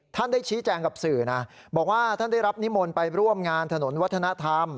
ท่านได้ชี้แจงกับสื่อนะบอกว่าท่านได้รับนิมนต์ไปร่วมงานถนนวัฒนธรรม